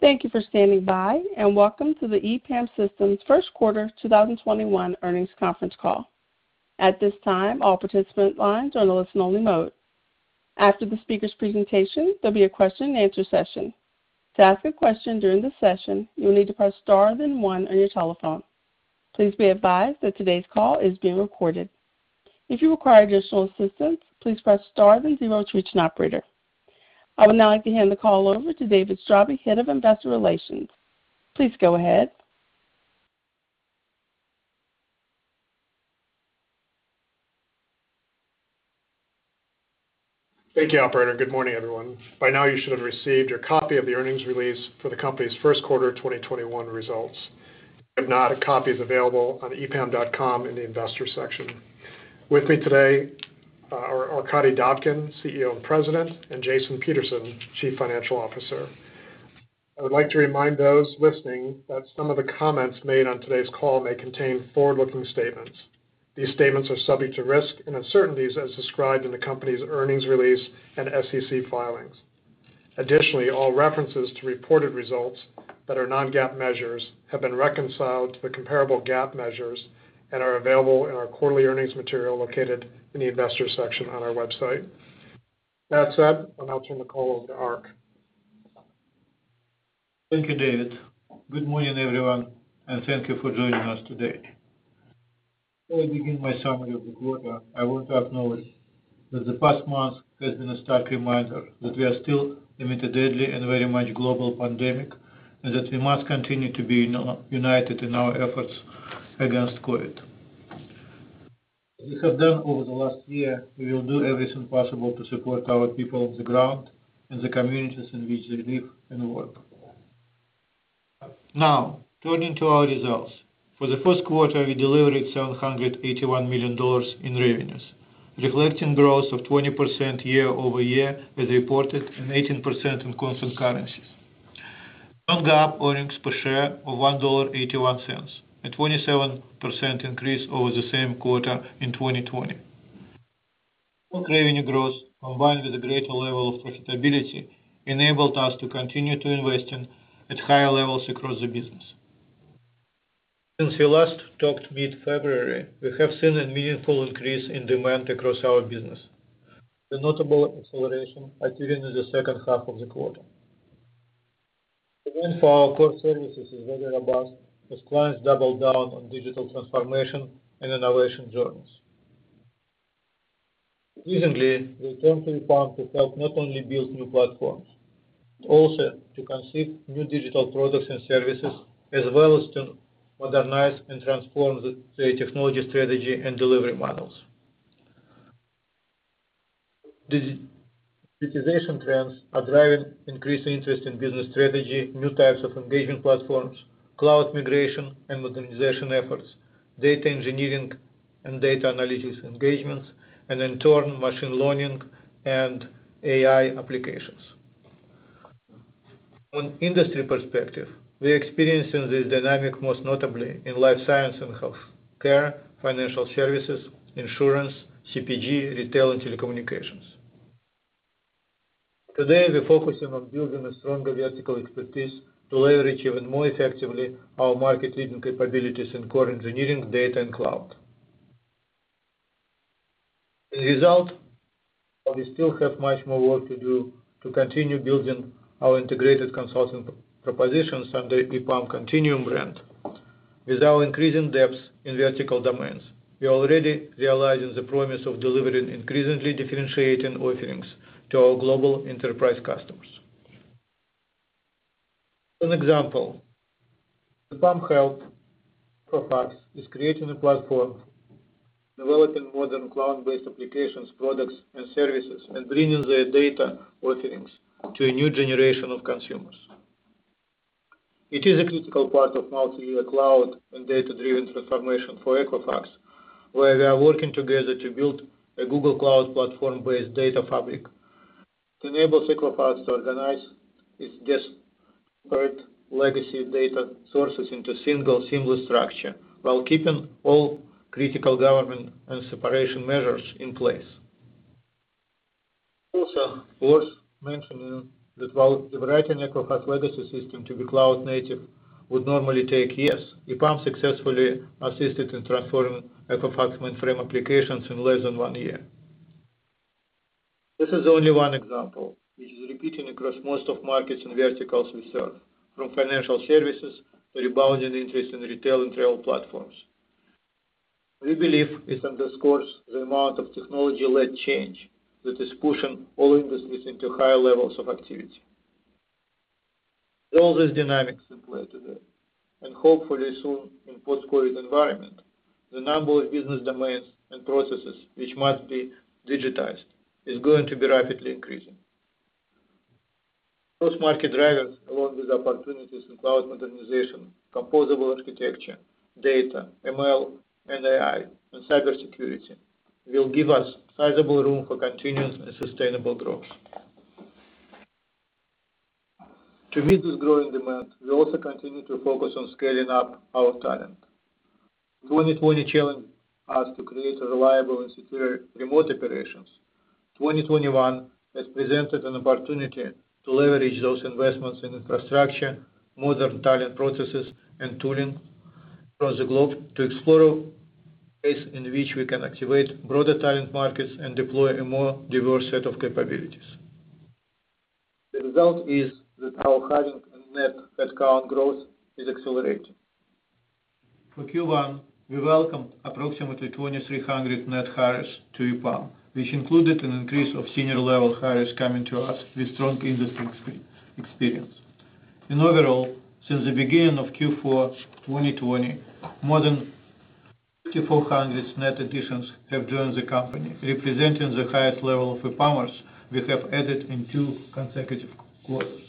Thank you for standing by, and welcome to the EPAM Systems Q1 2021 Earnings Conference Call. At this time, all participant lines are in a listen-only mode. After the speakers' presentation, there will be a question and answer session. To ask a question during the session, you will need to press star then one on your telephone. Please be advised that today's call is being recorded. If you require additional assistance, please press star then zero to reach an operator. I would now like to hand the call over to David Straube, Head of Investor Relations. Please go ahead. Thank you, operator. Good morning, everyone. By now, you should have received your copy of the earnings release for the company's Q1 2021 results. If not, a copy is available on epam.com in the investor section. With me today are Arkadiy Dobkin, CEO and President, and Jason Peterson, Chief Financial Officer. I would like to remind those listening that some of the comments made on today's call may contain forward-looking statements. These statements are subject to risks and uncertainties as described in the company's earnings release and SEC filings. Additionally, all references to reported results that are non-GAAP measures have been reconciled to the comparable GAAP measures and are available in our quarterly earnings material located in the investor section on our website. That said, I'll now turn the call over to Ark. Thank you, David. Good morning, everyone, and thank you for joining us today. Before I begin my summary of the quarter, I want to acknowledge that the past month has been a stark reminder that we are still in a deadly and very much global pandemic, and that we must continue to be united in our efforts against COVID. As we have done over the last year, we will do everything possible to support our people on the ground in the communities in which they live and work. Now, turning to our results. For Q1, we delivered $781 million in revenues, reflecting growth of 20% year-over-year as reported and 18% in constant currencies. Non-GAAP earnings per share of $1.81, a 27% increase over the same quarter in 2020. Strong revenue growth, combined with a greater level of profitability, enabled us to continue to invest at higher levels across the business. Since we last talked mid-February, we have seen a meaningful increase in demand across our business, with notable acceleration occurring in the H2 of the quarter. Demand for our core services is very robust as clients double down on digital transformation and innovation journeys. Increasingly, they turn to EPAM to help not only build new platforms, but also to conceive new digital products and services, as well as to modernize and transform their technology strategy and delivery models. Digitization trends are driving increased interest in business strategy, new types of engagement platforms, cloud migration and modernization efforts, data engineering and data analytics engagements, and in turn, machine learning and AI applications. From an industry perspective, we are experiencing this dynamic most notably in life science and healthcare, financial services, insurance, CPG, retail, and telecommunications. Today, we're focusing on building a stronger vertical expertise to leverage even more effectively our market-leading capabilities in core engineering, data, and cloud. As a result, while we still have much more work to do to continue building our integrated consulting propositions under EPAM Continuum brand, with our increasing depth in vertical domains, we are already realizing the promise of delivering increasingly differentiating offerings to our global enterprise customers. One example, EPAM helped Equifax in creating a platform, developing modern cloud-based applications, products, and services, and bringing their data offerings to a new generation of consumers. It is a critical part of multi-year cloud and data-driven transformation for Equifax, where we are working together to build a Google Cloud Platform-based data fabric to enable Equifax to organize its disparate legacy data sources into a single seamless structure while keeping all critical governance and separation measures in place. Also worth mentioning that while migrating Equifax legacy systems to be cloud native would normally take years, EPAM successfully assisted in transforming Equifax mainframe applications in less than one year. This is only one example, which is repeated across most of markets and verticals we serve, from financial services to rebounding interest in retail and travel platforms. We believe it underscores the amount of technology-led change that is pushing all industries into higher levels of activity. With all these dynamics in play today, and hopefully soon in post-COVID environment, the number of business domains and processes which must be digitized is going to be rapidly increasing. Those market drivers, along with opportunities in cloud modernization, composable architecture, data, ML, and AI, and cybersecurity, will give us sizable room for continuous and sustainable growth. To meet this growing demand, we also continue to focus on scaling up our talent. 2020 challenged us to create reliable and secure remote operations. 2021 has presented an opportunity to leverage those investments in infrastructure, modern talent processes, and tooling across the globe to explore ways in which we can activate broader talent markets and deploy a more diverse set of capabilities. The result is that our hiring and net headcount growth is accelerating. For Q1, we welcomed approximately 2,300 net hires to EPAM, which included an increase of senior-level hires coming to us with strong industry experience. Since the beginning of Q4 2020, more than 2,400 net additions have joined the company, representing the highest level of EPAMers we have added in two consecutive quarters.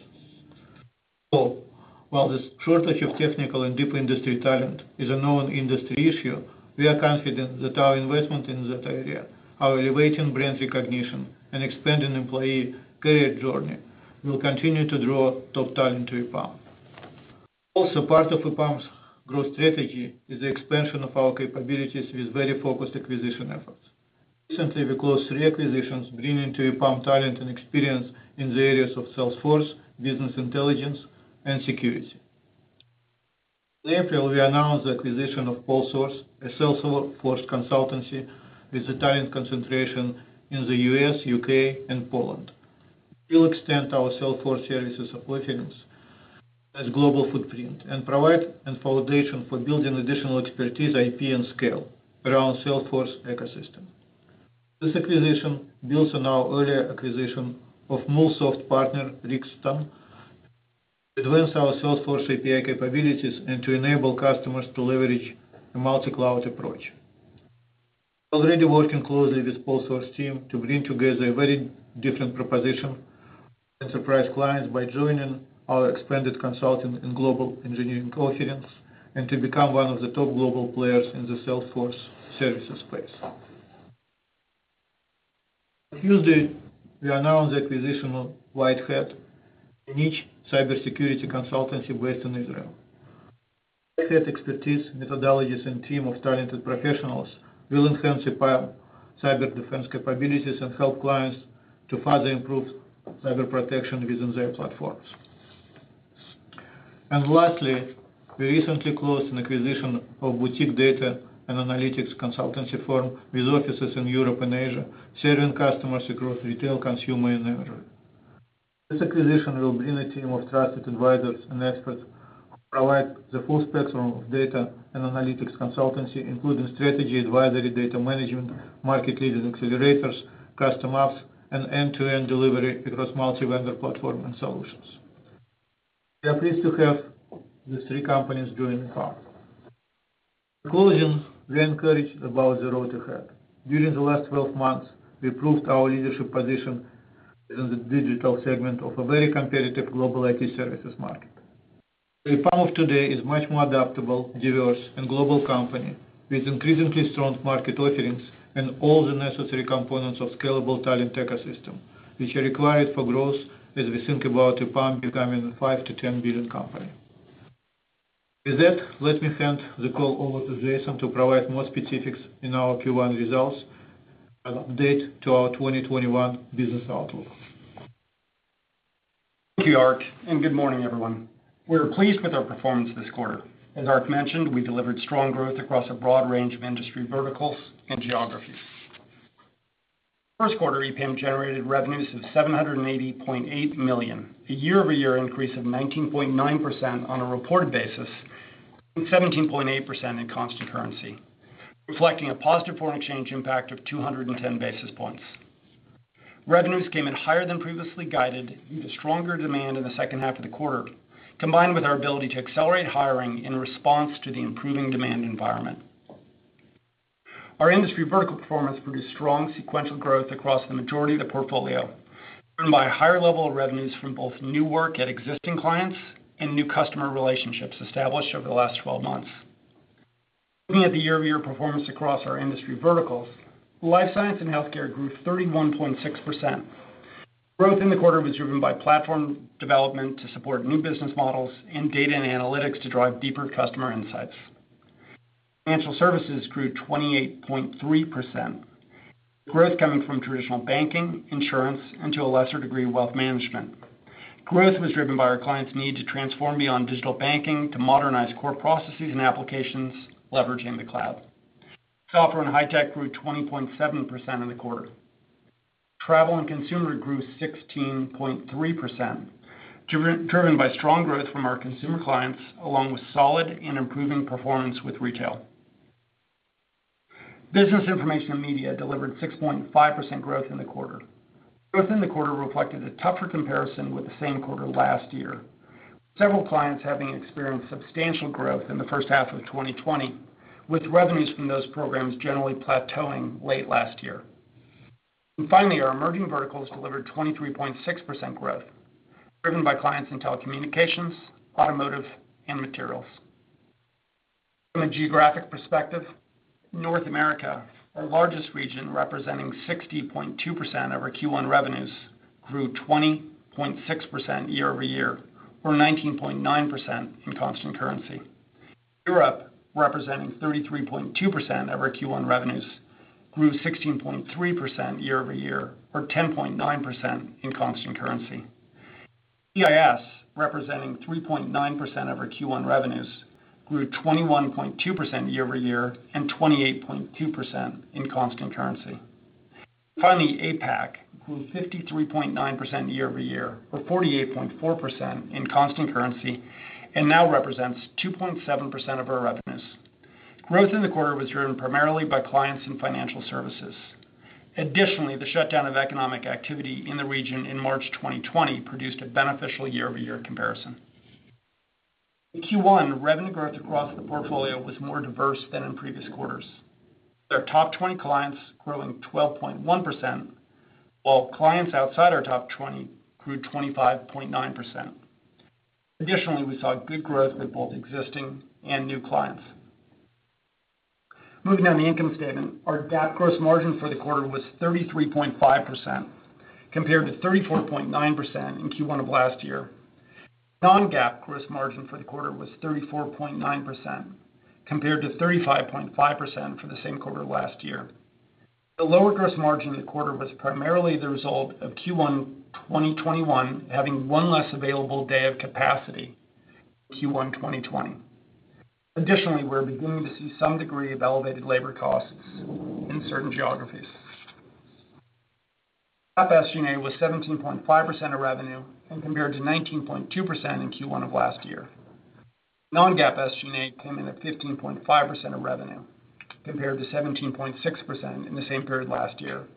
While this shortage of technical and deep industry talent is a known industry issue, we are confident that our investment in that area, our elevating brand recognition, and expanding employee career journey will continue to draw top talent to EPAM. Also part of EPAM's growth strategy is the expansion of our capabilities with very focused acquisition efforts. Recently, we closed three acquisitions bringing to EPAM talent and experience in the areas of Salesforce, business intelligence, and security. In April, we announced the acquisition of PolSource, a Salesforce consultancy with a talent concentration in the U.S., U.K., and Poland. We'll extend our Salesforce services offerings as global footprint and provide a foundation for building additional expertise, IP, and scale around Salesforce ecosystem. This acquisition builds on our earlier acquisition of MuleSoft partner Ricston, to advance our Salesforce API capabilities and to enable customers to leverage a multi-cloud approach. We're already working closely with PolSource team to bring together a very different proposition and surprise clients by joining our expanded consulting and global engineering coherence and to become one of the top global players in the Salesforce services space. On Tuesday, we announced the acquisition of White-Hat, a niche cybersecurity consultancy based in Israel. White-Hat expertise, methodologies, and team of talented professionals will enhance EPAM cyber defense capabilities and help clients to further improve cyber protection within their platforms. Lastly, we recently closed an acquisition of Boutique Data, an analytics consultancy firm with offices in Europe and Asia, serving customers across retail, consumer, and energy. This acquisition will bring a team of trusted advisors and experts who provide the full spectrum of data and analytics consultancy, including strategy advisory, data management, market-leading accelerators, custom apps, and end-to-end delivery across multi-vendor platform and solutions. We are pleased to have these three companies join EPAM. In closing, we are encouraged about the road ahead. During the last 12 months, we proved our leadership position in the digital segment of a very competitive global IT services market. The EPAM of today is much more adaptable, diverse, and global company with increasingly strong market offerings and all the necessary components of scalable talent ecosystem, which are required for growth as we think about EPAM becoming a $5 billion-$10 billion company. With that, let me hand the call over to Jason to provide more specifics in our Q1 results and update to our 2021 business outlook. Thank you, Ark, and good morning, everyone. We're pleased with our performance this quarter. As Ark mentioned, we delivered strong growth across a broad range of industry verticals and geographies. Q1, EPAM generated revenues of $780.8 million, a year-over-year increase of 19.9% on a reported basis, and 17.8% in constant currency, reflecting a positive foreign exchange impact of 210 basis points. Revenues came in higher than previously guided due to stronger demand in the H2 of the quarter, combined with our ability to accelerate hiring in response to the improving demand environment. Our industry vertical performance produced strong sequential growth across the majority of the portfolio, driven by a higher level of revenues from both new work at existing clients and new customer relationships established over the last 12 months. Looking at the year-over-year performance across our industry verticals, life science and healthcare grew 31.6%. Growth in the quarter was driven by platform development to support new business models and data and analytics to drive deeper customer insights. Financial services grew 28.3%, with growth coming from traditional banking, insurance, and to a lesser degree, wealth management. Growth was driven by our clients' need to transform beyond digital banking to modernize core processes and applications leveraging the cloud. Software and high tech grew 20.7% in the quarter. Travel and consumer grew 16.3%, driven by strong growth from our consumer clients, along with solid and improving performance with retail. Business information and media delivered 6.5% growth in the quarter. Growth in the quarter reflected a tougher comparison with the same quarter last year, with several clients having experienced substantial growth in the H1 of 2020, with revenues from those programs generally plateauing late last year. Finally, our emerging verticals delivered 23.6% growth, driven by clients in telecommunications, automotive, and materials. From a geographic perspective, North America, our largest region representing 60.2% of our Q1 revenues, grew 20.6% year-over-year or 19.9% in constant currency. Europe, representing 33.2% of our Q1 revenues, grew 16.3% year-over-year or 10.9% in constant currency. CIS, representing 3.9% of our Q1 revenues, grew 21.2% year-over-year and 28.2% in constant currency. Finally, APAC grew 53.9% year-over-year or 48.4% in constant currency and now represents 2.7% of our revenues. Growth in the quarter was driven primarily by clients in financial services. Additionally, the shutdown of economic activity in the region in March 2020 produced a beneficial year-over-year comparison. In Q1, revenue growth across the portfolio was more diverse than in previous quarters, with our top 20 clients growing 12.1%, while clients outside our top 20 grew 25.9%. Additionally, we saw good growth with both existing and new clients. Moving down the income statement, our GAAP gross margin for the quarter was 33.5% compared to 34.9% in Q1 of last year. Non-GAAP gross margin for the quarter was 34.9% compared to 35.5% for the same quarter last year. The lower gross margin in the quarter was primarily the result of Q1 2021 having one less available day of capacity than Q1 2020. Additionally, we're beginning to see some degree of elevated labor costs in certain geographies. GAAP SG&A was 17.5% of revenue and compared to 19.2% in Q1 of last year. Non-GAAP SG&A came in at 15.5% of revenue compared to 17.6% in the same period last year.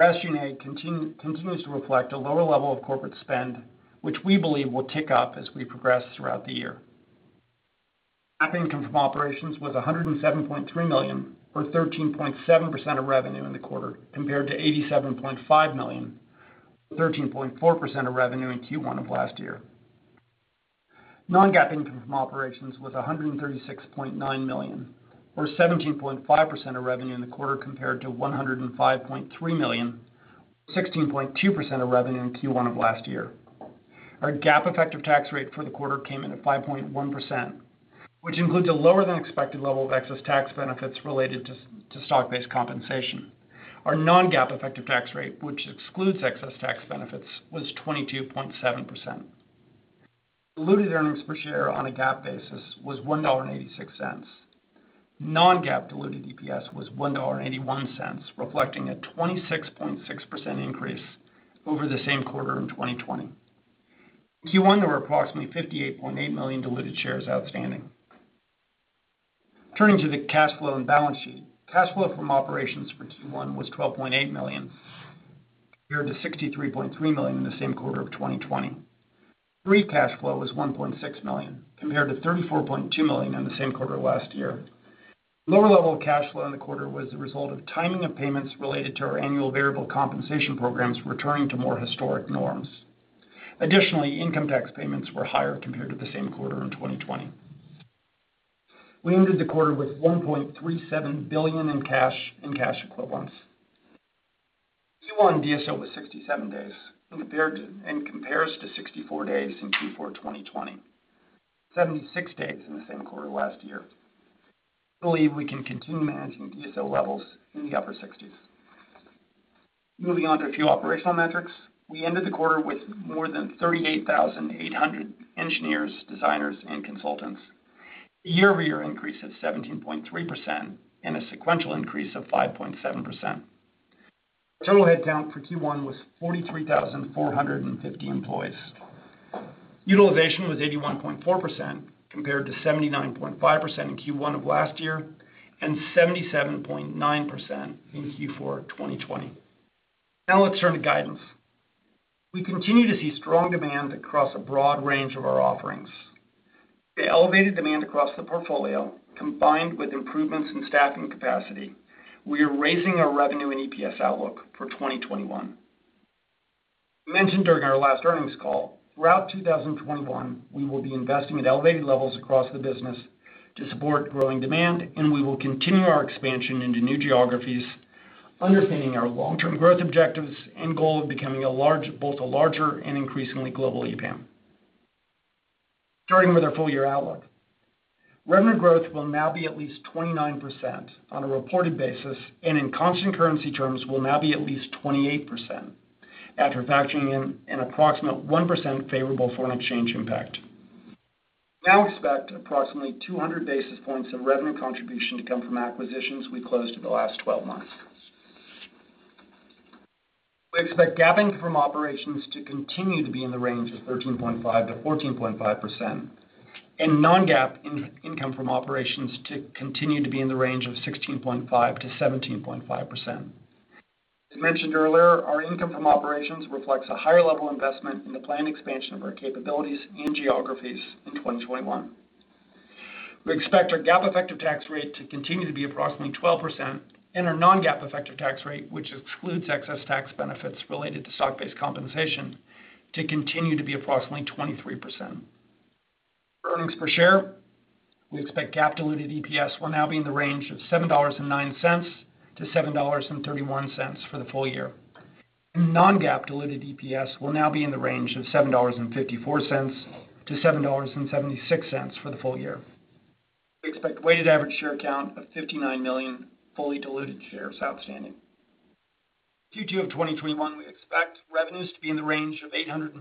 SG&A continues to reflect a lower level of corporate spend, which we believe will tick up as we progress throughout the year. GAAP income from operations was $107.3 million, or 13.7% of revenue in the quarter, compared to $87.5 million, or 13.4% of revenue in Q1 of last year. Non-GAAP income from operations was $136.9 million, or 17.5% of revenue in the quarter compared to $105.3 million, or 16.2% of revenue in Q1 of last year. Our GAAP effective tax rate for the quarter came in at 5.1%, which includes a lower than expected level of excess tax benefits related to stock-based compensation. Our non-GAAP effective tax rate, which excludes excess tax benefits, was 22.7%. Diluted earnings per share on a GAAP basis was $1.86. Non-GAAP diluted EPS was $1.81, reflecting a 26.6% increase over the same quarter in 2020. In Q1, we were approximately 58.8 million diluted shares outstanding. Turning to the cash flow and balance sheet. Cash flow from operations for Q1 was $12.8 million compared to $63.3 million in the same quarter of 2020. Free cash flow was $1.6 million compared to $34.2 million in the same quarter last year. Lower level of cash flow in the quarter was the result of timing of payments related to our annual variable compensation programs returning to more historic norms. Additionally, income tax payments were higher compared to the same quarter in 2020. We ended the quarter with $1.37 billion in cash and cash equivalents. Q1 DSO was 67 days and compares to 64 days in Q4 2020, 76 days in the same quarter last year. We believe we can continue managing DSO levels in the upper 60s. Moving on to a few operational metrics. We ended the quarter with more than 38,800 engineers, designers, and consultants, a year-over-year increase of 17.3% and a sequential increase of 5.7%. Total head count for Q1 was 43,450 employees. Utilization was 81.4%, compared to 79.5% in Q1 of last year and 77.9% in Q4 2020. Now let's turn to guidance. We continue to see strong demand across a broad range of our offerings. The elevated demand across the portfolio, combined with improvements in staffing capacity, we are raising our revenue and EPS outlook for 2021. Mentioned during our last earnings call, throughout 2021, we will be investing at elevated levels across the business to support growing demand, and we will continue our expansion into new geographies, understanding our long-term growth objectives and goal of becoming both a larger and increasingly global EPAM. Starting with our full year outlook. Revenue growth will now be at least 29% on a reported basis and in constant currency terms will now be at least 28% after factoring in an approximate 1% favorable foreign exchange impact. We now expect approximately 200 basis points of revenue contribution to come from acquisitions we closed in the last 12 months. We expect GAAP income from operations to continue to be in the range of 13.5%-14.5%, and non-GAAP income from operations to continue to be in the range of 16.5%-17.5%. As mentioned earlier, our income from operations reflects a higher level investment in the planned expansion of our capabilities and geographies in 2021. We expect our GAAP effective tax rate to continue to be approximately 12% and our non-GAAP effective tax rate, which excludes excess tax benefits related to stock-based compensation, to continue to be approximately 23%. Earnings per share. We expect GAAP diluted EPS will now be in the range of $7.09-$7.31 for the full year. Non-GAAP diluted EPS will now be in the range of $7.54-$7.76 for the full year. We expect a weighted average share count of 59 million fully diluted shares outstanding. Q2 of 2021, we expect revenues to be in the range of $853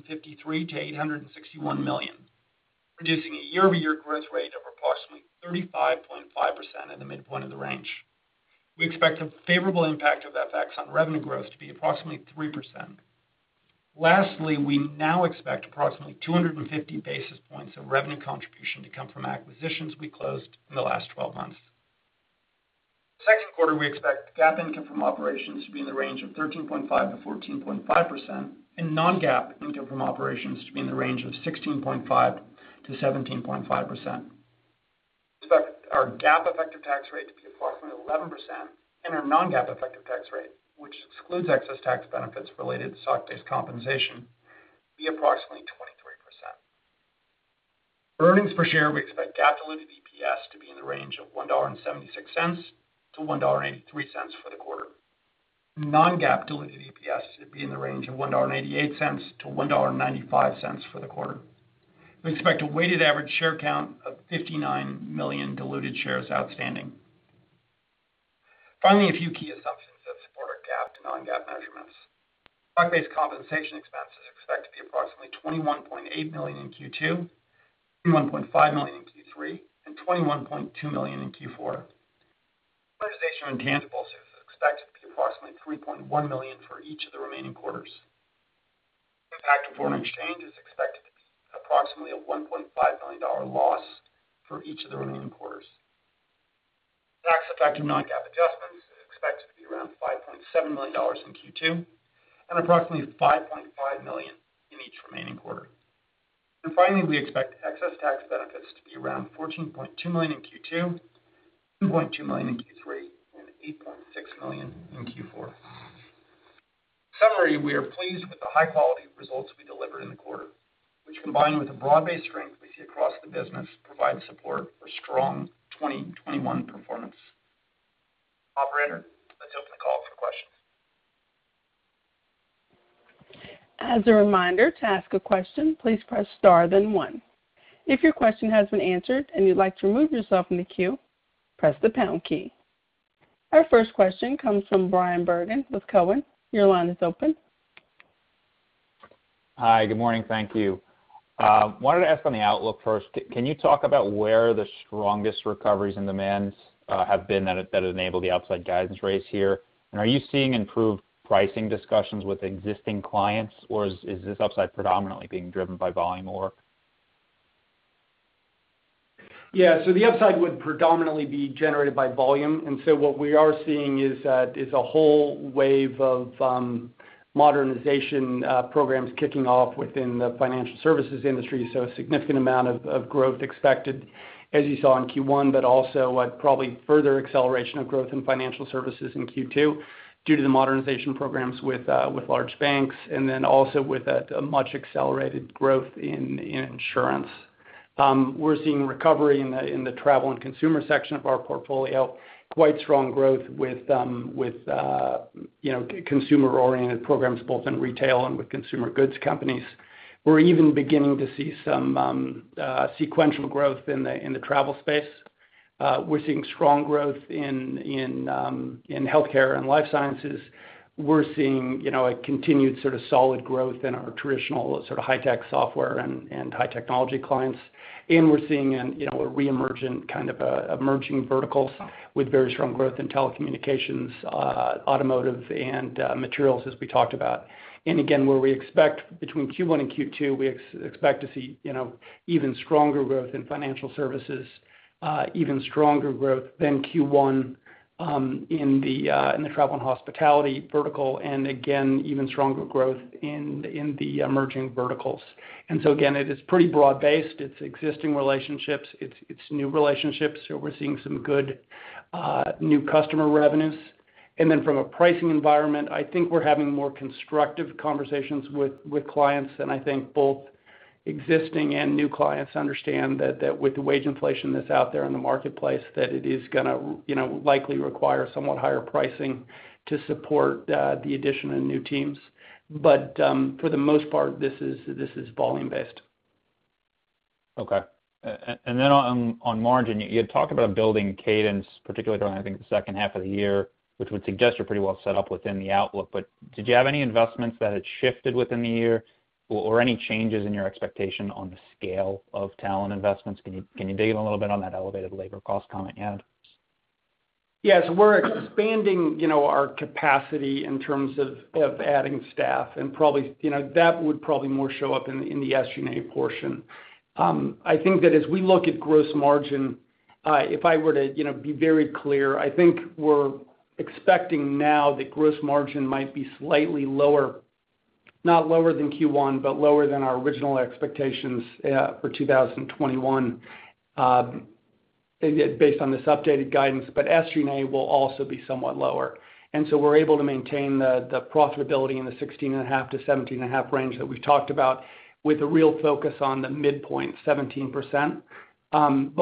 million-$861 million, producing a year-over-year growth rate of approximately 35.5% at the midpoint of the range. We expect a favorable impact of FX on revenue growth to be approximately 3%. Lastly, we now expect approximately 250 basis points of revenue contribution to come from acquisitions we closed in the last 12 months. Q2, we expect GAAP income from operations to be in the range of 13.5%-14.5%, and non-GAAP income from operations to be in the range of 16.5%-17.5%. We expect our GAAP effective tax rate to be approximately 11%, and our non-GAAP effective tax rate, which excludes excess tax benefits related to stock-based compensation, be approximately 23%. Earnings per share, we expect GAAP diluted EPS to be in the range of $1.76-$1.83 for the quarter. Non-GAAP diluted EPS to be in the range of $1.88-$1.95 for the quarter. We expect a weighted average share count of 59 million diluted shares outstanding. Finally, a few key assumptions that support our GAAP to non-GAAP measurements. Stock-based compensation expenses are expected to be approximately $21.8 million in Q2, $21.5 million in Q3, and $21.2 million in Q4. Amortization of intangibles is expected to be approximately $3.1 million for each of the remaining quarters. Impact of foreign exchange is expected to be approximately a $1.5 million loss for each of the remaining quarters. Tax effect of non-GAAP adjustments is expected to be around $5.7 million in Q2 and approximately $5.5 million in each remaining quarter. Finally, we expect excess tax benefits to be around $14.2 million in Q2, $2.2 million in Q3, and $8.6 million in Q4. In summary, we are pleased with the high-quality results we delivered in the quarter, which combined with the broad-based strength we see across the business, provides support for strong 2021 performance. Operator, let's open the call for questions. As a reminder to ask a question please press star then one. If your question has been answered and you would like to remove yourself from the queue press the pound key. Our first question comes from Bryan Bergin with Cowen. Your line is open. Hi. Good morning. Thank you. Wanted to ask on the outlook first, can you talk about where the strongest recoveries and demands have been that enable the upside guidance raise here? Are you seeing improved pricing discussions with existing clients, or is this upside predominantly being driven by volume? The upside would predominantly be generated by volume. What we are seeing is a whole wave of modernization programs kicking off within the financial services industry, so a significant amount of growth expected, as you saw in Q1, but also a probably further acceleration of growth in financial services in Q2 due to the modernization programs with large banks, and then also with a much-accelerated growth in insurance. We're seeing recovery in the travel and consumer section of our portfolio. Quite strong growth with consumer-oriented programs, both in retail and with consumer goods companies. We're even beginning to see some sequential growth in the travel space. We're seeing strong growth in healthcare and life sciences. We're seeing a continued sort of solid growth in our traditional sort of high-tech software and high-technology clients. We're seeing a reemergent kind of emerging verticals with very strong growth in telecommunications, automotive, and materials, as we talked about. Again, between Q1 and Q2, we expect to see even stronger growth in financial services, even stronger growth than Q1 in the travel and hospitality vertical, and again, even stronger growth in the emerging verticals. Again, it is pretty broad-based. It's existing relationships. It's new relationships. We're seeing some good new customer revenues. From a pricing environment, I think we're having more constructive conversations with clients, and I think both existing and new clients understand that with the wage inflation that's out there in the marketplace, that it is going to likely require somewhat higher pricing to support the addition of new teams. For the most part, this is volume-based. Okay. On margin, you had talked about building cadence, particularly during, I think, the H2 of the year, which would suggest you're pretty well set up within the outlook. Did you have any investments that had shifted within the year or any changes in your expectation on the scale of talent investments? Can you dig in a little bit on that elevated labor cost comment you had? Yeah. We're expanding our capacity in terms of adding staff, and that would probably more show up in the SG&A portion. I think that as we look at gross margin, if I were to be very clear, I think we're expecting now that gross margin might be slightly lower, not lower than Q1, but lower than our original expectations for 2021. Based on this updated guidance, SG&A will also be somewhat lower. We're able to maintain the profitability in the 16.5%-17.5% range that we've talked about with a real focus on the midpoint, 17%.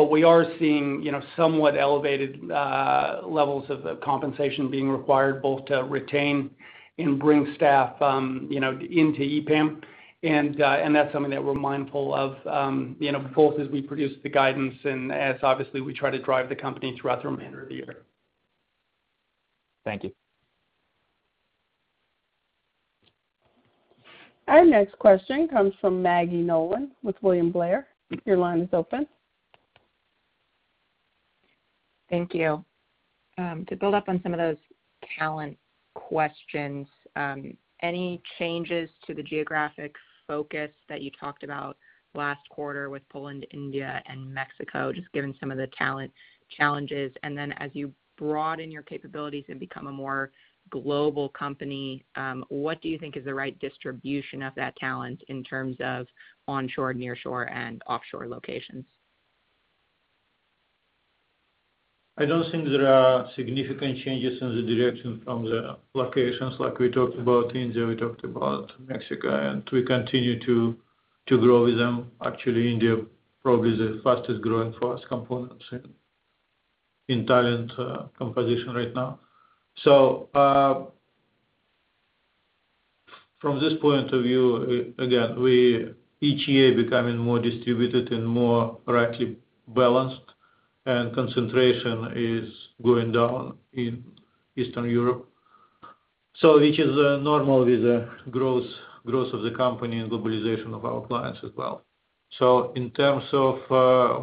We are seeing somewhat elevated levels of compensation being required both to retain and bring staff into EPAM. That's something that we're mindful of both as we produce the guidance and as obviously we try to drive the company throughout the remainder of the year. Thank you. Our next question comes from Maggie Nolan with William Blair. Your line is open. Thank you. To build up on some of those talent questions, any changes to the geographic focus that you talked about last quarter with Poland, India, and Mexico, just given some of the talent challenges? As you broaden your capabilities and become a more global company, what do you think is the right distribution of that talent in terms of onshore, nearshore, and offshore locations? I don't think there are significant changes in the direction from the locations like we talked about India, we talked about Mexico, and we continue to grow with them. Actually, India probably the fastest-growing force components in talent composition right now. From this point of view, again, we each year becoming more distributed and more correctly balanced, and concentration is going down in Eastern Europe. Which is normal with the growth of the company and globalization of our clients as well. In terms of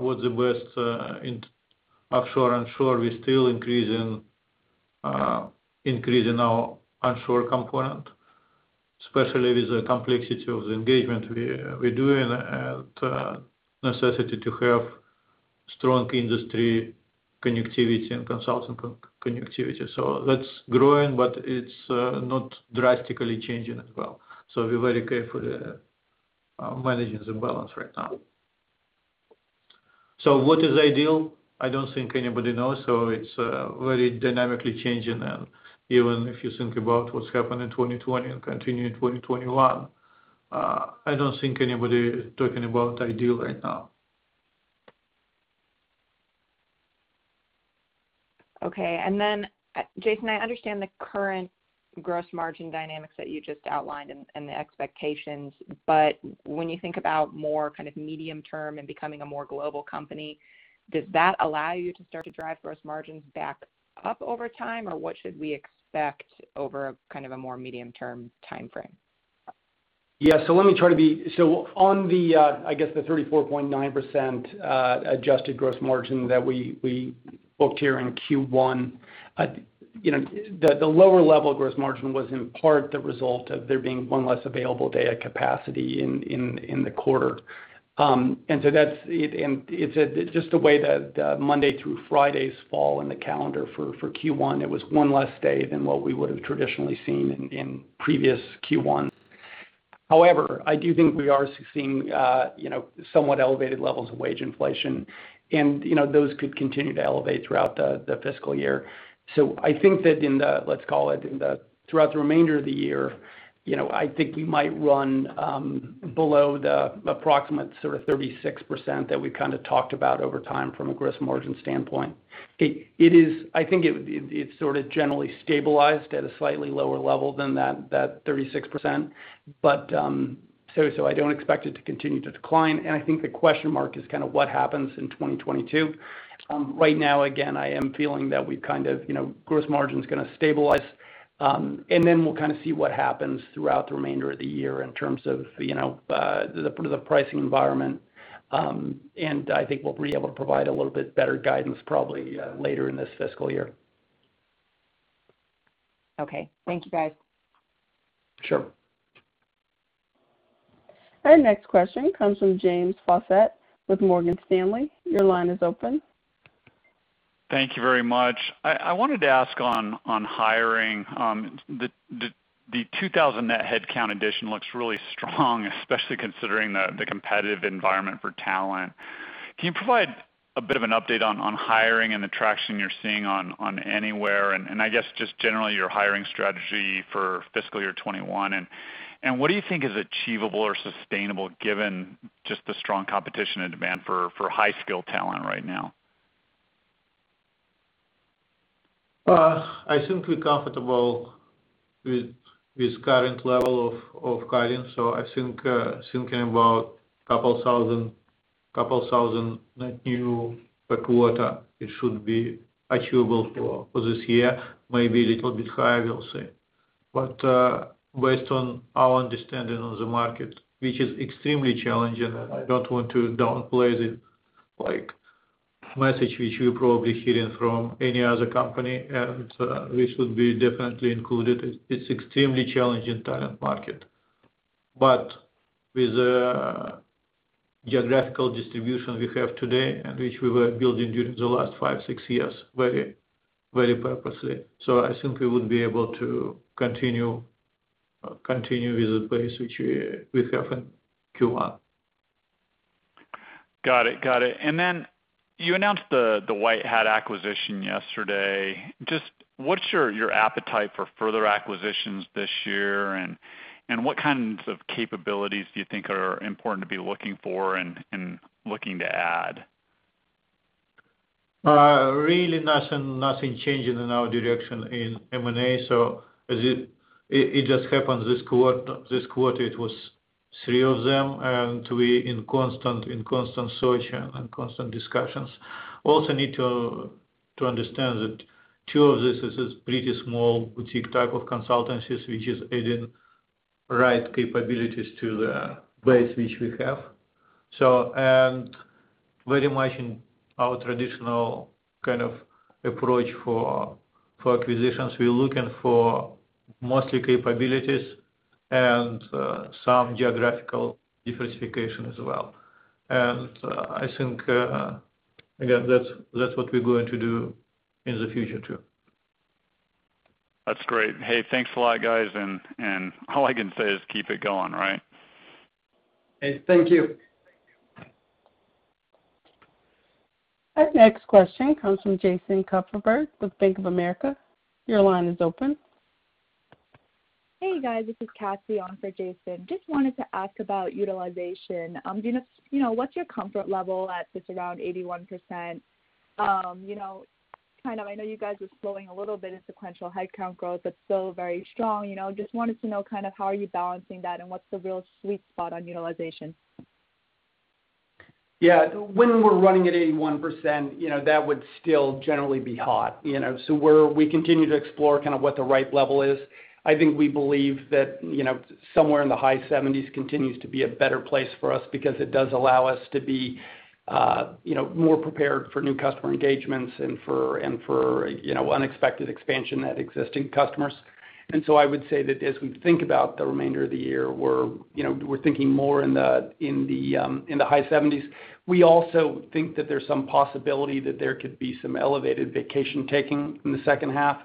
what's the best in offshore and shore, we're still increasing our onshore component, especially with the complexity of the engagement we do and necessity to have strong industry connectivity and consultant connectivity. That's growing, but it's not drastically changing as well. We're very careful managing the balance right now. What is ideal? I don't think anybody knows. It's very dynamically changing. Even if you think about what's happened in 2020 and continue in 2021, I don't think anybody is talking about ideal right now. Okay. Jason, I understand the current gross margin dynamics that you just outlined and the expectations, but when you think about more kind of medium term and becoming a more global company, does that allow you to start to drive gross margins back up over time? Or what should we expect over kind of a more medium term timeframe? On the 34.9% adjusted gross margin that we booked here in Q1, the lower level gross margin was in part the result of there being one less available data capacity in the quarter. It's just the way that the Monday through Fridays fall in the calendar for Q1, it was one less day than what we would've traditionally seen in previous Q1s. However, I do think we are seeing somewhat elevated levels of wage inflation, and those could continue to elevate throughout the fiscal year. I think that throughout the remainder of the year, I think you might run below the approximate sort of 36% that we've kind of talked about from a gross margin standpoint. I think it's sort of generally stabilized at a slightly lower level than that 36%, but I don't expect it to continue to decline, and I think the question mark is kind of what happens in 2022. Right now, again, I am feeling that gross margin's going to stabilize. Then we'll kind of see what happens throughout the remainder of the year in terms of the pricing environment. I think we'll be able to provide a little bit better guidance probably later in this fiscal year. Okay. Thank you, guys. Sure. Our next question comes from James Faucette with Morgan Stanley. Your line is open. Thank you very much. I wanted to ask on hiring. The 2,000 net headcount addition looks really strong especially considering the competitive environment for talent. Can you provide a bit of an update on hiring and the traction you're seeing on Anywhere, and I guess just generally your hiring strategy for fiscal year 2021? What do you think is achievable or sustainable given just the strong competition and demand for high-skill talent right now? I think we're comfortable with current level of hiring. I think thinking about 2,000 net new per quarter, it should be achievable for this year. Maybe a little bit higher, we'll see. Based on our understanding of the market, which is extremely challenging, and I don't want to downplay the message which you probably hearing from any other company, and this would be definitely included, it's extremely challenging talent market. With the geographical distribution we have today, and which we were building during the last five, six years very purposely, I think we would be able to continue with the pace which we have in Q1. Got it. You announced the White-Hat acquisition yesterday. Just what's your appetite for further acquisitions this year, and what kinds of capabilities do you think are important to be looking for and looking to add? Really nothing changing in our direction in M&A. It just happened this quarter, it was three of them, and we in constant search and constant discussions. Also need to understand that two of this is pretty small boutique type of consultancies, which is adding right capabilities to the base which we have. Very much in our traditional kind of approach for acquisitions. We're looking for mostly capabilities and some geographical diversification as well. I think, again, that's what we're going to do in the future, too. That's great. Hey, thanks a lot guys. All I can say is keep it going. Hey, thank you. Our next question comes from Jason Kupferberg with Bank of America. Your line is open. Hey, guys. This is Cassie on for Jason. Just wanted to ask about utilization. What's your comfort level at just around 81%? I know you guys are slowing a little bit in sequential headcount growth, but still very strong. Just wanted to know kind of how are you balancing that and what's the real sweet spot on utilization? Yeah. When we're running at 81%, that would still generally be hot. We continue to explore kind of what the right level is. I think we believe that, somewhere in the high 70%s continues to be a better place for us because it does allow us to be more prepared for new customer engagements and for unexpected expansion at existing customers. I would say that as we think about the remainder of the year, we're thinking more in the high 70%s. We also think that there's some possibility that there could be some elevated vacation taking in the H2.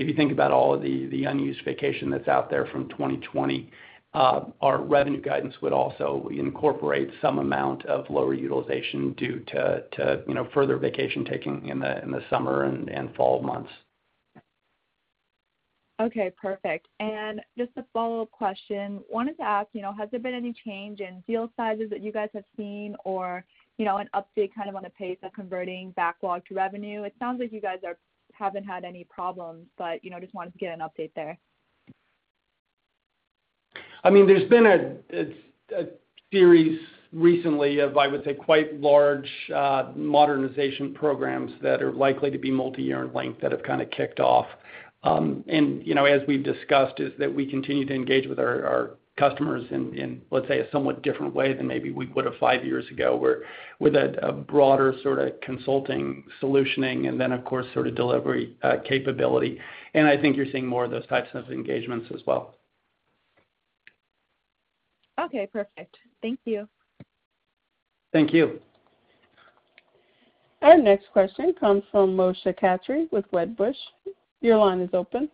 If you think about all of the unused vacation that's out there from 2020, our revenue guidance would also incorporate some amount of lower utilization due to further vacation taking in the summer and fall months. Okay, perfect. Just a follow-up question, wanted to ask, has there been any change in deal sizes that you guys have seen or an update kind of on the pace of converting backlog to revenue? It sounds like you guys haven't had any problems, just wanted to get an update there. There's been a series recently of, I would say, quite large modernization programs that are likely to be multi-year in length that have kind of kicked off. As we've discussed, is that we continue to engage with our customers in, let's say, a somewhat different way than maybe we would have five years ago, where with a broader sort of consulting solutioning and then, of course, sort of delivery capability. I think you're seeing more of those types of engagements as well. Okay, perfect. Thank you. Thank you. Our next question comes from Moshe Katri with Wedbush. Your line is open.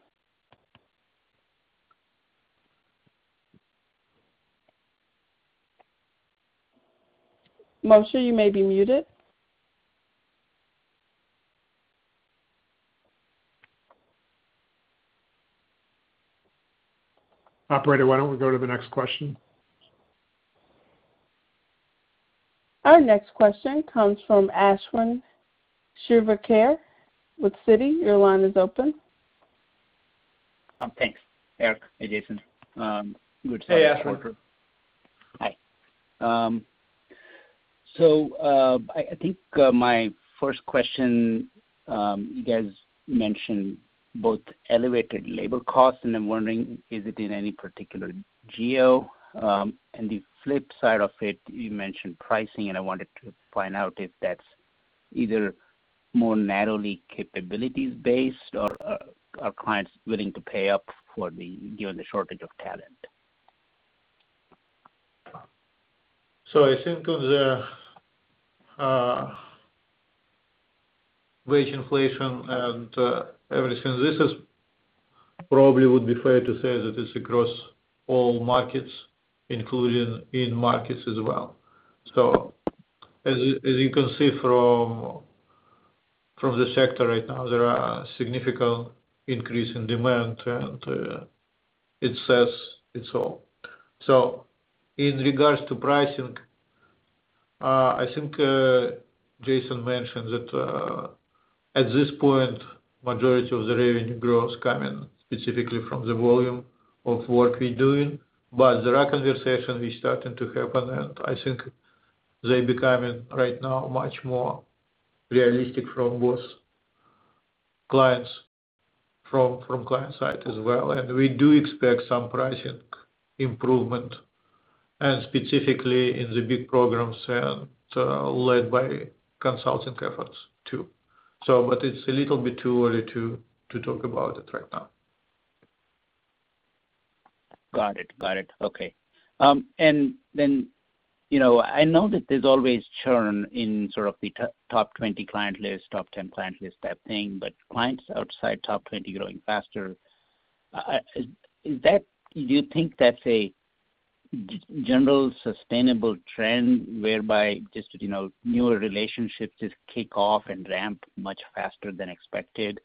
Moshe, you may be muted. Operator, why don't we go to the next question? Our next question comes from Ashwin Shirvaikar with Citi. Your line is open. Thanks. Arkadiy. Hey, Jason. Hey, Ashwin. talk to you. Hi. I think my first question, you guys mentioned both elevated labor costs, and I'm wondering, is it in any particular geo? The flip side of it, you mentioned pricing, and I wanted to find out if that's either more narrowly capabilities-based or are clients willing to pay up for the given the shortage of talent. I think on the wage inflation and everything, this is probably would be fair to say that it's across all markets, including in markets as well. As you can see from the sector right now, there are significant increase in demand, and it says it's all. In regards to pricing, I think Jason mentioned that at this point, majority of the revenue growth coming specifically from the volume of work we're doing. There are conversations we starting to happen, and I think they becoming right now much more realistic from both clients, from client side as well. We do expect some pricing improvement, and specifically in the big programs, and led by consulting efforts too. It's a little bit too early to talk about it right now. Got it. Okay. I know that there's always churn in sort of the top 20 client list, top 10 client list, that thing. Clients outside top 20 growing faster, do you think that's a general sustainable trend whereby just newer relationships just kick off and ramp much faster than expected?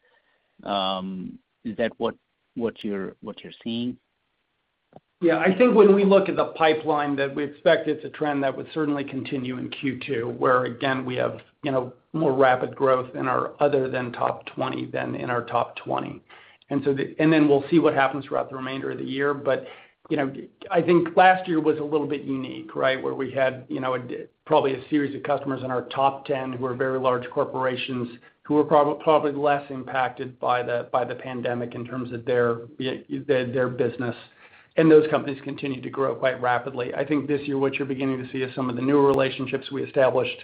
Is that what you're seeing? Yeah. I think when we look at the pipeline that we expect, it's a trend that would certainly continue in Q2, where again, we have more rapid growth in our other than top 20 than in our top 20. We'll see what happens throughout the remainder of the year. I think last year was a little bit unique, right? Where we had probably a series of customers in our top 10 who are very large corporations who were probably less impacted by the pandemic in terms of their business, and those companies continued to grow quite rapidly. I think this year, what you're beginning to see is some of the newer relationships we established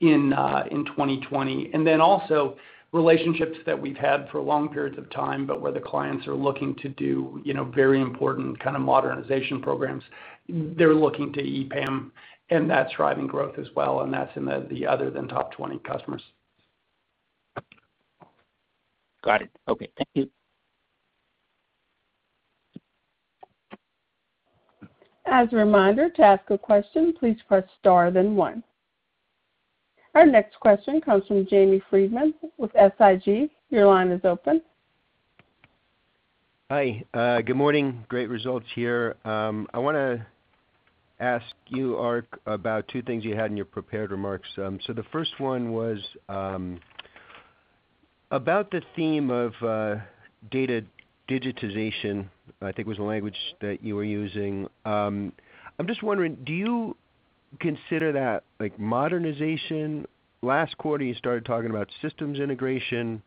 in 2020, and then also relationships that we've had for long periods of time, but where the clients are looking to do very important kind of modernization programs. They're looking to EPAM, and that's driving growth as well, and that's in the other than top 20 customers. Got it. Okay. Thank you. As a reminder, to ask a question, please press star then one. Our next question comes from James Friedman with Susquehanna. Your line is open. Hi. Good morning. Great results here. I want to ask you, Ark, about two things you had in your prepared remarks. The first one was about the theme of data digitization, I think was the language that you were using. I'm just wondering, do you consider that modernization? Last quarter, you started talking about systems integration.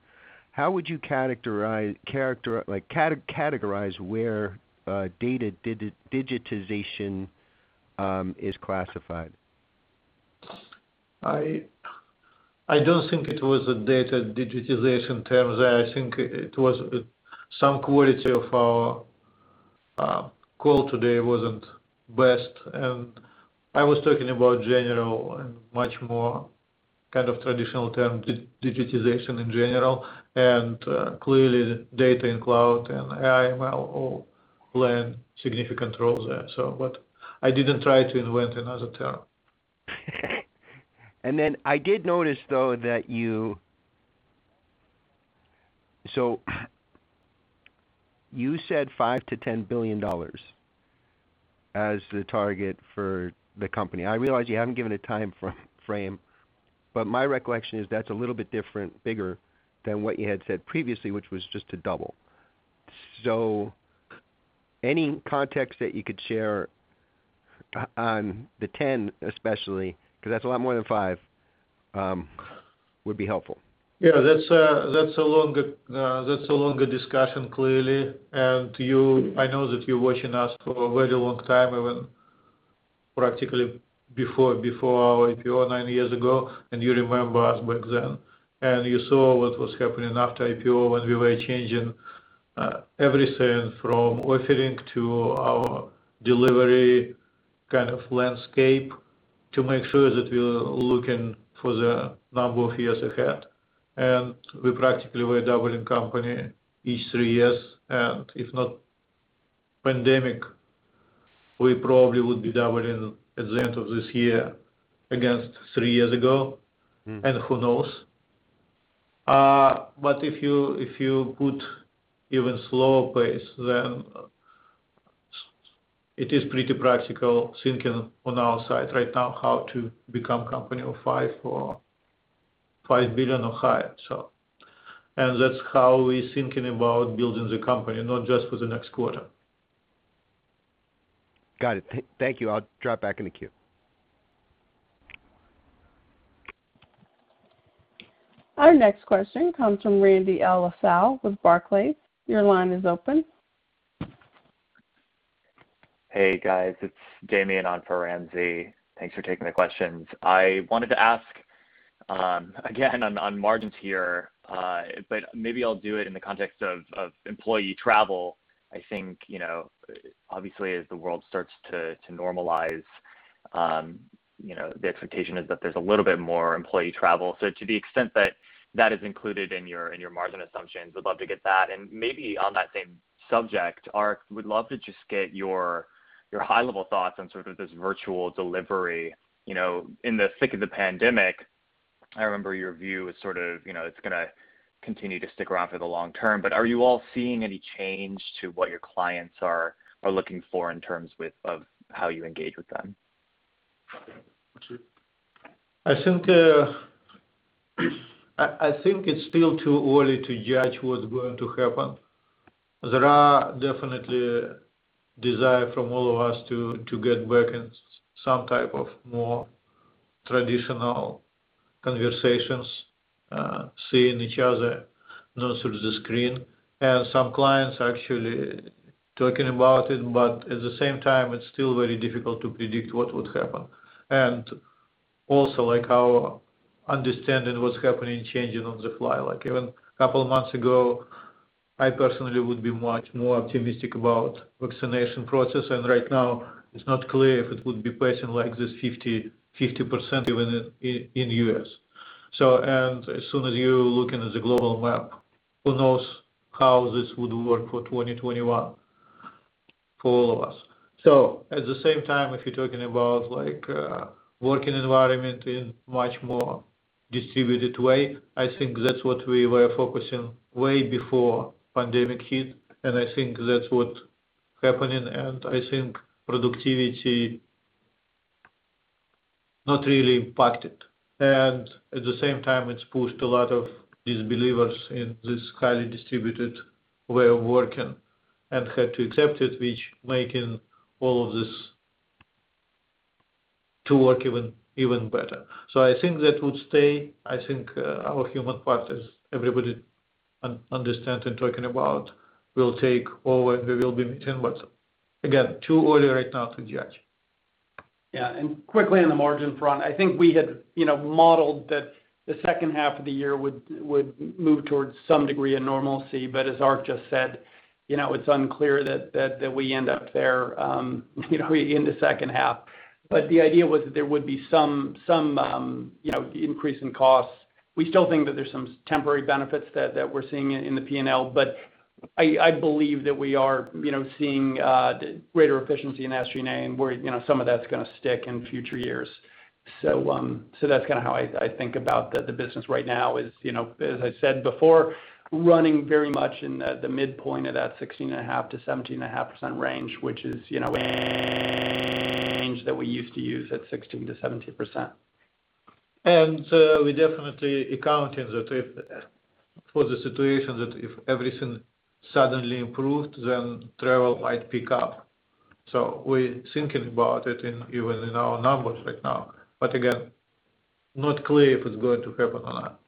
How would you categorize where data digitization is classified? I don't think it was a data digitization term there. I think it was some quality of our call today wasn't best, and I was talking about general and much more kind of traditional term digitization in general, and clearly data in cloud and AI, ML all play significant roles there. I didn't try to invent another term. I did notice, though, you said $5 billion-$10 billion as the target for the company. I realize you haven't given a timeframe, but my recollection is that's a little bit different, bigger than what you had said previously, which was just to double. Any context that you could share on the $10 billion especially, because that's a lot more than five, would be helpful. Yeah. That's a longer discussion, clearly. I know that you're watching us for a very long time, even practically before our IPO nine years ago, and you remember us back then, and you saw what was happening after IPO when we were changing everything from offering to our delivery kind of landscape to make sure that we are looking for the number of years ahead. We practically were doubling company each three years. If not pandemic, we probably would be doubling at the end of this year against three years ago. Who knows? If you put even slower pace, then it is pretty practical thinking on our side right now how to become company of $5 billion or higher. That's how we thinking about building the company, not just for the next quarter. Got it. Thank you. I'll drop back in the queue. Our next question comes from Ramsey El-Assal with Barclays. Your line is open. Hey, guys. It's Damian on for Ramsey El-Assal. Thanks for taking the questions. I wanted to ask, again on margins here, but maybe I'll do it in the context of employee travel. I think, obviously, as the world starts to normalize, the expectation is that there's a little bit more employee travel. To the extent that that is included in your margin assumptions, I'd love to get that. Maybe on that same subject, Ark, would love to just get your high level thoughts on sort of this virtual delivery. In the thick of the pandemic, I remember your view as sort of it's going to continue to stick around for the long term. Are you all seeing any change to what your clients are looking for in terms of how you engage with them? I think it's still too early to judge what's going to happen. There are definitely desire from all of us to get back in some type of more traditional conversations, seeing each other not through the screen. Some clients are actually talking about it. At the same time, it's still very difficult to predict what would happen. Also how understanding what's happening, changing on the fly. Even a couple of months ago I personally would be much more optimistic about vaccination process. Right now it's not clear if it would be pacing like this 50% even in U.S. As soon as you look into the global map, who knows how this would work for 2021 for all of us. At the same time, if you're talking about working environment in much more distributed way, I think that's what we were focusing way before pandemic hit, and I think that's what happening. I think productivity not really impacted. At the same time, it's pushed a lot of these believers in this highly distributed way of working and had to accept it, which making all of this to work even better. I think that would stay. I think our human factors, everybody understands and talking about will take over and we will be meeting, but again, too early right now to judge. Yeah. Quickly on the margin front, I think we had modeled that the H2 of the year would move towards some degree of normalcy, but as Ark just said, it's unclear that we end up there in the H2. The idea was that there would be some increase in costs. We still think that there's some temporary benefits that we're seeing in the P&L, I believe that we are seeing greater efficiency in SG&A and where some of that's going to stick in future years. That's how I think about the business right now is, as I said before, running very much in the midpoint of that 16.5%-17.5% range, which is range that we used to use at 16%-17%. We definitely accounting that if for the situation that if everything suddenly improved, travel might pick up. We thinking about it even in our numbers right now. Again, not clear if it's going to happen or not.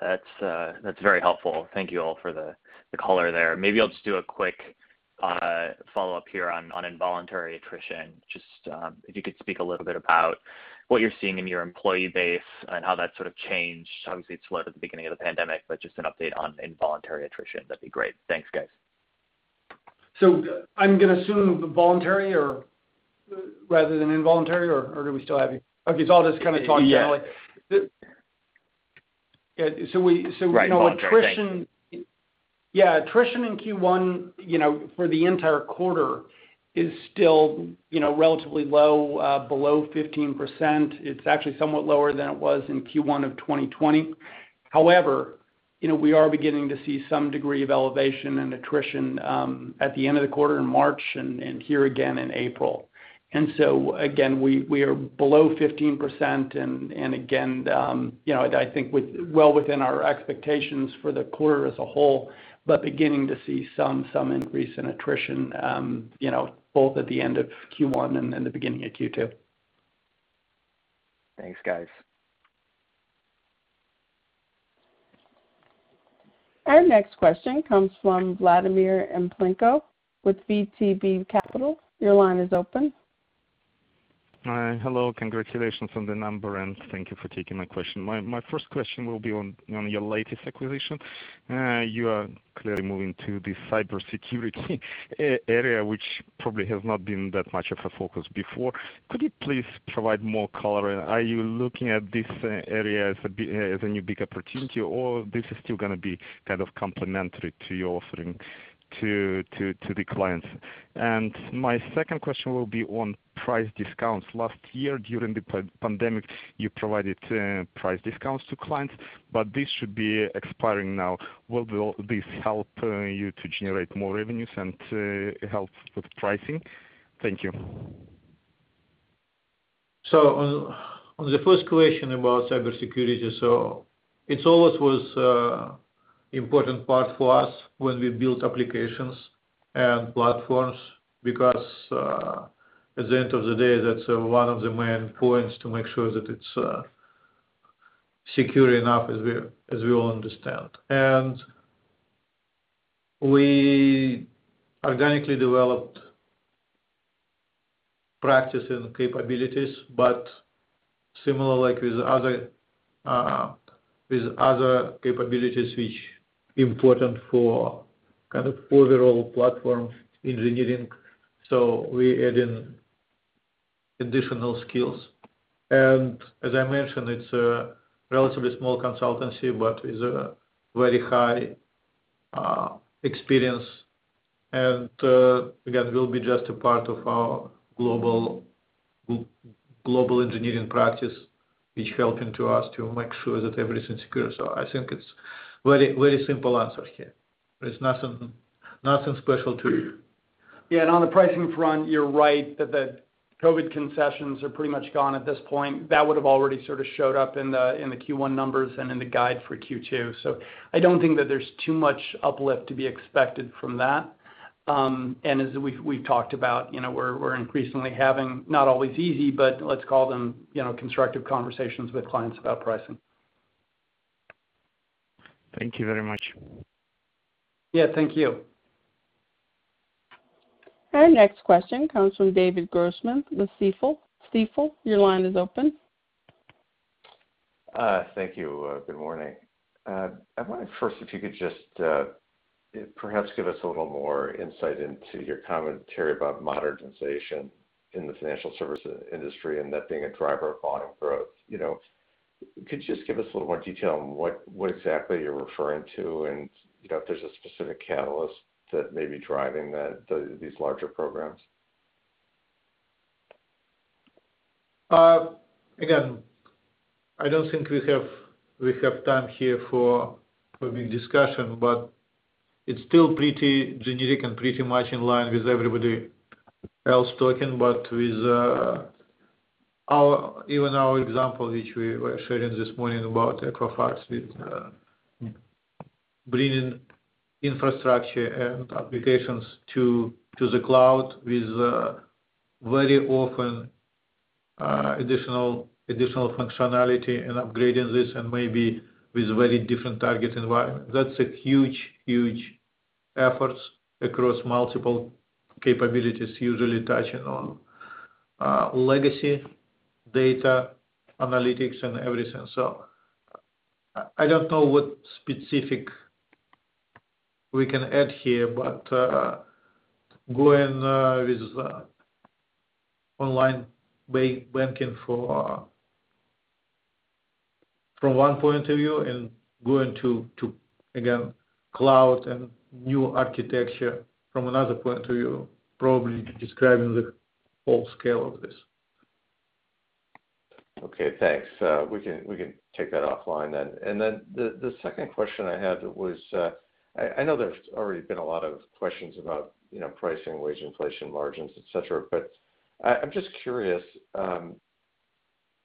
That's very helpful. Thank you all for the color there. Maybe I'll just do a quick follow-up here on involuntary attrition. Just if you could speak a little bit about what you're seeing in your employee base and how that sort of changed. Obviously, it slowed at the beginning of the pandemic, but just an update on involuntary attrition, that'd be great. Thanks, guys. I'm going to assume voluntary or rather than involuntary, or do we still have you? Okay. I'll just kind of talk generally. Yeah. So we- Right. Involuntary, thanks attrition in Q1 for the entire quarter is still relatively low, below 15%. It's actually somewhat lower than it was in Q1 of 2020. However, we are beginning to see some degree of elevation and attrition, at the end of the quarter in March and here again in April. Again, we are below 15% and again, I think well within our expectations for the quarter as a whole, but beginning to see some increase in attrition both at the end of Q1 and the beginning of Q2. Thanks, guys. Our next question comes from Vladimir Bespalov with VTB Capital. Your line is open. Hi. Hello. Congratulations on the number, and thank you for taking my question. My first question will be on your latest acquisition. You are clearly moving to the cybersecurity area, which probably has not been that much of a focus before. Could you please provide more color? Are you looking at this area as a new big opportunity, or this is still going to be kind of complementary to your offering to the clients? My second question will be on price discounts. Last year during the pandemic, you provided price discounts to clients, but this should be expiring now. Will this help you to generate more revenues and help with pricing? Thank you. On the first question about cybersecurity, so it's always was important part for us when we built applications and platforms because at the end of the day, that's one of the main points to make sure that it's secure enough as we all understand. We organically developed practice and capabilities, but similar like with other capabilities which important for kind of overall platform engineering. We add in additional skills. As I mentioned, it's a relatively small consultancy, but with a very high experience. Again, will be just a part of our global engineering practice, which helping to us to make sure that everything's secure. I think it's very simple answer here. There's nothing special to it. On the pricing front, you're right that the COVID concessions are pretty much gone at this point. That would've already sort of showed up in the Q1 numbers and in the guide for Q2. I don't think that there's too much uplift to be expected from that. As we've talked about, we're increasingly having, not always easy, but let's call them constructive conversations with clients about pricing. Thank you very much. Yeah. Thank you. Our next question comes from David Grossman with Stifel. Stifel, your line is open. Thank you. Good morning. I wondered first if you could just perhaps give us a little more insight into your commentary about modernization in the financial service industry, and that being a driver of volume growth. Could you just give us a little more detail on what exactly you're referring to, and if there's a specific catalyst that may be driving these larger programs? I don't think we have time here for a big discussion, but it's still pretty generic and pretty much in line with everybody else talking. With even our example, which we were sharing this morning about Equifax, with bringing infrastructure and applications to the cloud, with very often additional functionality and upgrading this, and maybe with very different target environment. That's a huge effort across multiple capabilities, usually touching on legacy data analytics and everything. I don't know what specific we can add here, going with online banking from one point of view, and going to, again, cloud and new architecture from another point of view, probably describing the whole scale of this. Okay, thanks. We can take that offline then. Then the second question I had was, I know there's already been a lot of questions about pricing, wage inflation, margins, et cetera, but I'm just curious.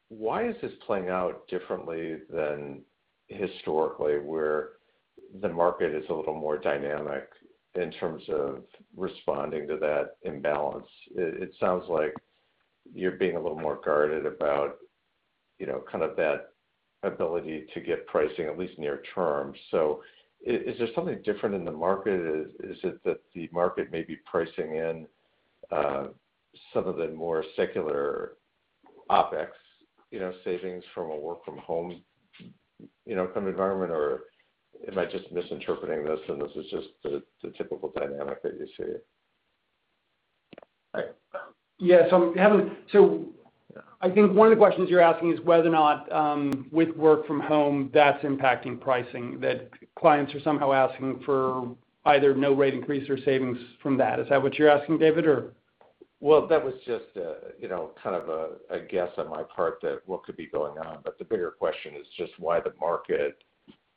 Why is this playing out differently than historically, where the market is a little more dynamic in terms of responding to that imbalance? It sounds like you're being a little more guarded about that ability to get pricing, at least near term. Is there something different in the market? Is it that the market may be pricing in some of the more secular OpEx savings from a work from home environment, or am I just misinterpreting this, and this is just the typical dynamic that you see? Yeah. I think one of the questions you're asking is whether or not with work from home, that's impacting pricing, that clients are somehow asking for either no rate increase or savings from that. Is that what you're asking, David? Well, that was just a guess on my part that what could be going on. The bigger question is just why the market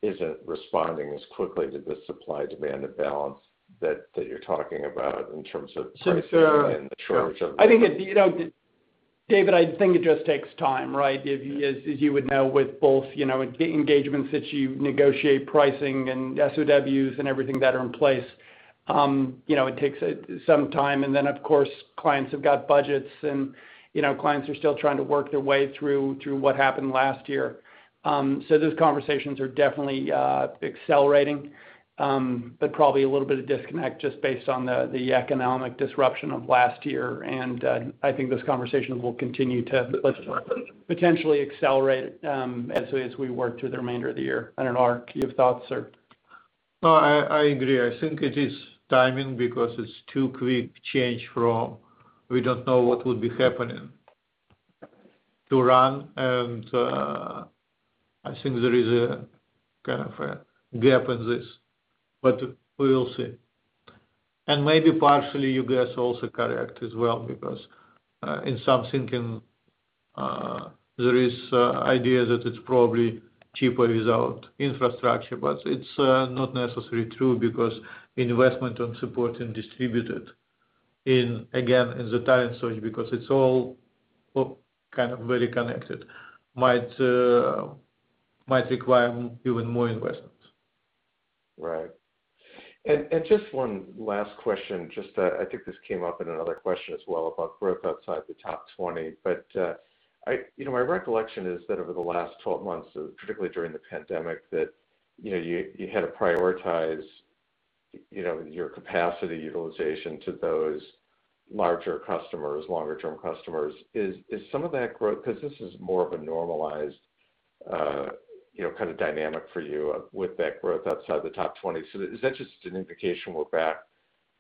isn't responding as quickly to the supply-demand imbalance that you're talking about in terms of pricing and the shortage of labor. David, I think it just takes time, right? As you would know, with both engagements that you negotiate pricing and SOWs and everything that are in place. It takes some time. Then of course, clients have got budgets. Clients are still trying to work their way through what happened last year. Those conversations are definitely accelerating. Probably a little bit of disconnect just based on the economic disruption of last year. I think those conversations will continue to potentially accelerate as we work through the remainder of the year. I don't know, Ark, you have thoughts, or? No, I agree. I think it is timing because it's too quick change from we don't know what will be happening to run. I think there is a kind of a gap in this. We will see. Maybe partially you guys also correct as well, because in some thinking, there is idea that it's probably cheaper without infrastructure. It's not necessarily true, because investment on support and distributed in, again, in the time storage, because it's all very connected, might require even more investments. Right. Just one last question. I think this came up in another question as well about growth outside the top 20. My recollection is that over the last 12 months, particularly during the pandemic, that you had to prioritize your capacity utilization to those larger customers, longer term customers. Because this is more of a normalized dynamic for you with that growth outside the top 20. Is that just an indication we're back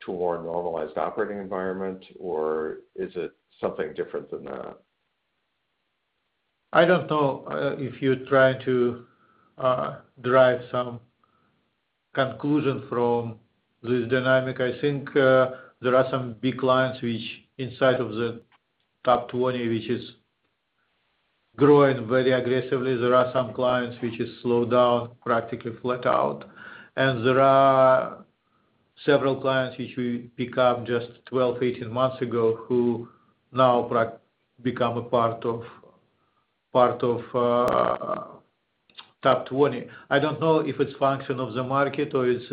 to a more normalized operating environment or is it something different than that? I don't know if you're trying to derive some conclusion from this dynamic. I think there are some big clients which inside of the top 20, which is growing very aggressively. There are some clients which has slowed down, practically flat out. There are several clients which we pick up just 12, 18 months ago who now become a part of top 20. I don't know if it's function of the market or it's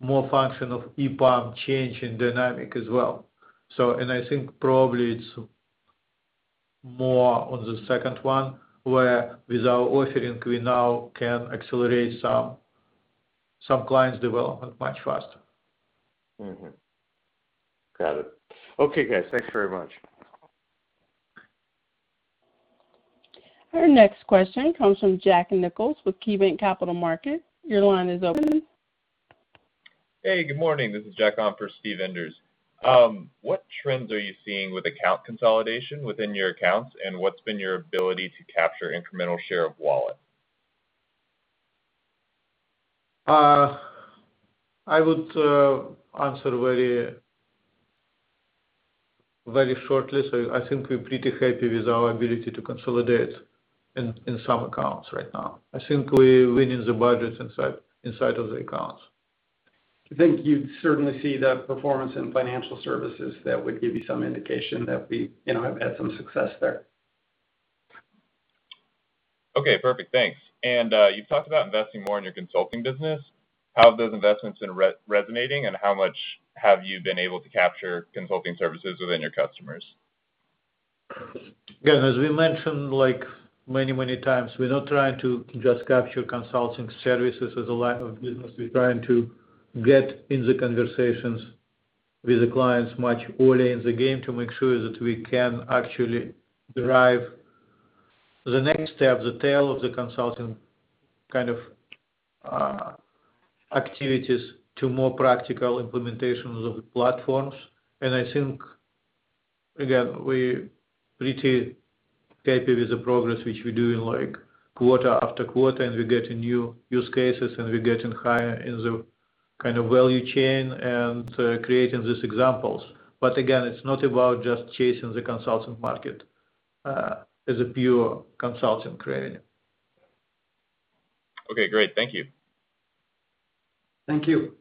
more function of EPAM changing dynamic as well. I think probably it's more on the second one, where with our offering, we now can accelerate some clients' development much faster. Got it. Okay, guys. Thanks very much. Our next question comes from Jack Nichols with KeyBanc Capital Markets. Your line is open. Hey, good morning. This is Jack on for Steve Enders. What trends are you seeing with account consolidation within your accounts, and what's been your ability to capture incremental share of wallet? I would answer very shortly. I think we're pretty happy with our ability to consolidate in some accounts right now. I think we're winning the budgets inside of the accounts. I think you'd certainly see the performance in financial services that would give you some indication that we have had some success there. Okay, perfect. Thanks. You've talked about investing more in your consulting business. How have those investments been resonating, and how much have you been able to capture consulting services within your customers? As we mentioned, like many, many times, we're not trying to just capture consulting services as a line of business. We're trying to get in the conversations with the clients much early in the game to make sure that we can actually drive the next step, the tail of the consulting activities to more practical implementations of platforms. I think, again, we're pretty happy with the progress which we're doing quarter after quarter, and we're getting new use cases, and we're getting higher in the value chain and creating these examples. Again, it's not about just chasing the consulting market as a pure consulting revenue. Okay, great. Thank you. Thank you.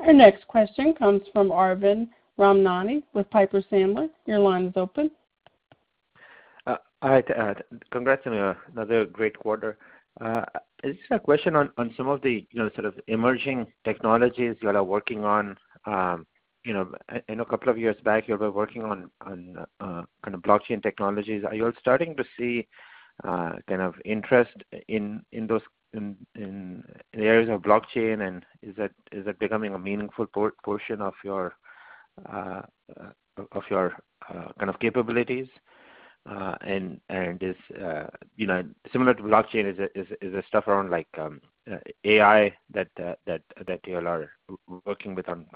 Our next question comes from Arvind Ramnani with Piper Sandler. Your line is open. Hi. Congrats on another great quarter. Just a question on some of the emerging technologies you are working on. I know a couple of years back you were working on blockchain technologies. Are you all starting to see interest in areas of blockchain, and is that becoming a meaningful portion of your capabilities? Similar to blockchain is the stuff around AI that you all are working with on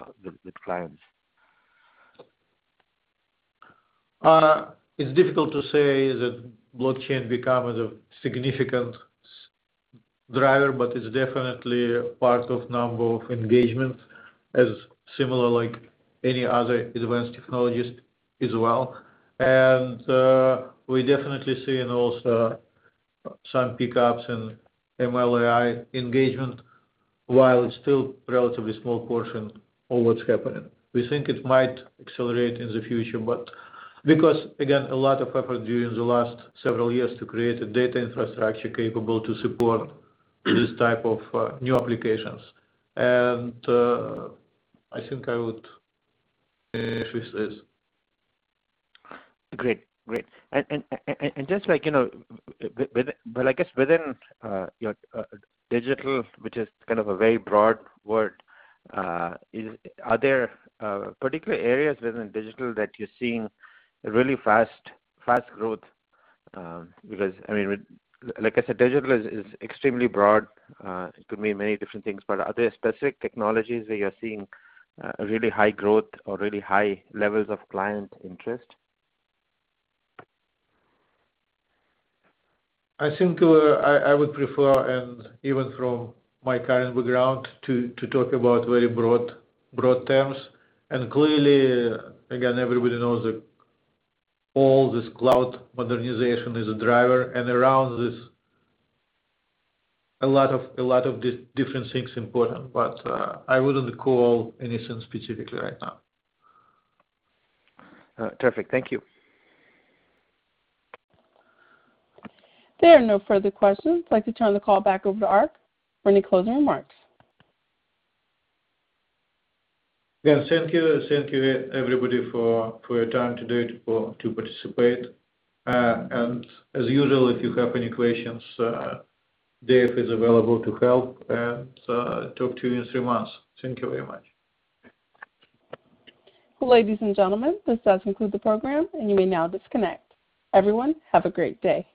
with clients. It's difficult to say that blockchain becomes a significant driver, but it's definitely part of number of engagements as similar like any other advanced technologies as well. We're definitely seeing also some pick-ups in ML/AI engagement, while it's still relatively small portion of what's happening. We think it might accelerate in the future. Because, again, a lot of effort during the last several years to create a data infrastructure capable to support this type of new applications. I think I would finish with this. Great. Just like within your digital, which is a very broad word, are there particular areas within digital that you're seeing really fast growth? Like I said, digital is extremely broad. It could mean many different things, are there specific technologies where you're seeing really high growth or really high levels of client interest? I think I would prefer, and even from my current background, to talk about very broad terms. Clearly, again, everybody knows that all this cloud modernization is a driver, and around this, a lot of different things important. I wouldn't call anything specifically right now. Terrific. Thank you. There are no further questions. I'd like to turn the call back over to Ark for any closing remarks. Yes, thank you, everybody for your time today to participate. As usual, if you have any questions, Dave is available to help, and talk to you in three months. Thank you very much. Ladies and gentlemen, this does conclude the program. You may now disconnect. Everyone, have a great day.